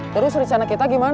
terus rencana kita gimana